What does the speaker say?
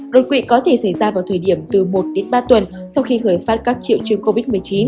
đột quỵ có thể xảy ra vào thời điểm từ một đến ba tuần sau khi khởi phát các triệu chứng covid một mươi chín